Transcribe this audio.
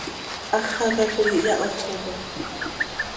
Háxaca coi ihyahójocam.